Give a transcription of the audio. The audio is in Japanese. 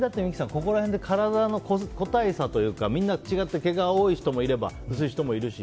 ここら辺で体の個体差とかみんなと違って毛が多い人もいれば薄い人もいるし。